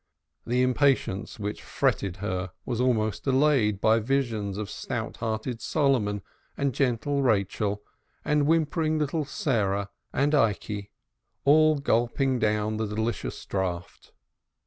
The impatience which fretted her was almost allayed by visions of stout hearted Solomon and gentle Rachel and whimpering little Sarah and Ikey, all gulping down the delicious draught.